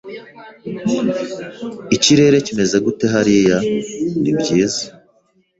"Ikirere kimeze gute hariya?" "Nibyiza"